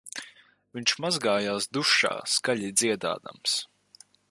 Viņš mazgājās dušā skaļi dziedādams